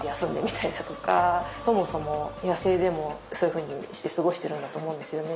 そもそも野生でもそういうふうにして過ごしてるんだと思うんですよね。